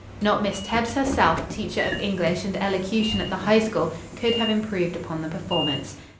Not Miss Tebbs, herself, teacher of English and elocution at the High School, could have improved upon the performance.